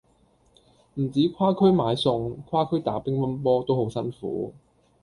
唔止跨區買餸，跨區打乒乓波都好辛苦